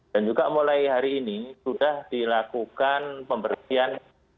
dan juga mulai hari ini sudah dilakukan pembersihan